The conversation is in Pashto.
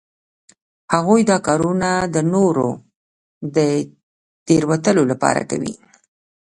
هغوی دا کارونه د نورو د تیروتلو لپاره کوي